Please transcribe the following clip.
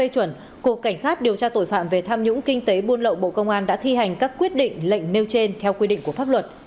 cục cảnh sát điều tra tội phạm về tham nhũng kinh tế buôn lậu bộ công an đã thi hành các quyết định lệnh nêu trên theo quy định của pháp luật